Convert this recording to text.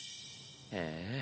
へえ。